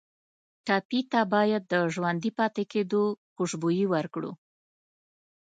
ټپي ته باید د ژوندي پاتې کېدو خوشبويي ورکړو.